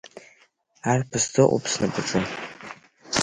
Арԥыс дыҟоуп снапаҿы!